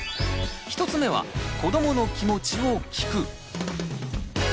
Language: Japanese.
１つ目は「子どもの気持ちを聞く」。